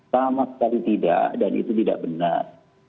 sama sekali tidak dan itu tidak benar